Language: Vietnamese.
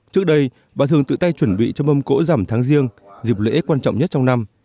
trước đây bà thường tự tay chuẩn bị cho mâm cỗ giảm tháng riêng dịp lễ quan trọng nhất trong năm